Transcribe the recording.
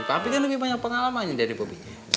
tapi papi kan lebih banyak pengalaman dari bobi